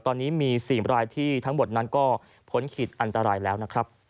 ตอนนี้มี๔รายที่ทั้งหมดนั้นก็พ้นขีดอันตรายแล้วนะครับ